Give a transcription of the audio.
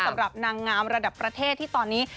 สำหรับนางงามระดับประเทศที่ตอนนี้